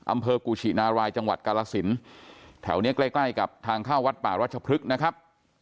อำเภอกุชินารายจังหวัดกาลสินแถวเนี้ยใกล้ใกล้กับทางเข้าวัดป่ารัชพฤกษ์นะครับ